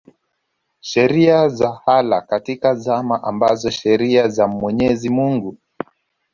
sheria za Allah katika zama ambazo sheria za Mwenyezi Mungu